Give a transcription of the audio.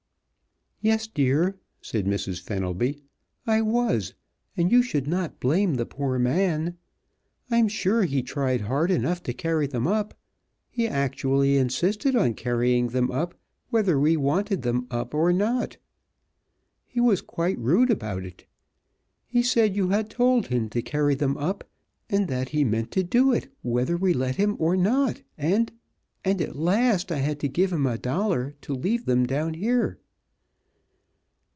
"Yes, dear," said Mrs. Fenelby, "I was, and you should not blame the poor man. I am sure he tried hard enough to carry them up. He actually insisted on carrying them up whether we wanted them up or not. He was quite rude about it. He said you had told him to carry them up and that he meant to do it whether we let him or not, and and at last I had to give him a dollar to leave them down here."